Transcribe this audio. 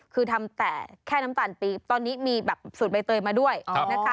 คือทำแต่แค่น้ำตาลปี๊บตอนนี้มีแบบสูตรใบเตยมาด้วยนะคะ